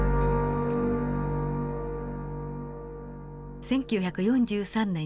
１９４３年４月。